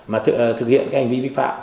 mà thực hiện cái hành vi vi phạm